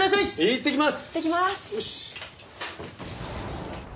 いってきます！